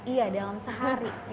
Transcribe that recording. iya dalam sehari